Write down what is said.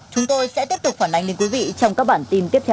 chúng tôi sẽ tiếp tục phản ánh đến quý vị trong các bản tin tiếp theo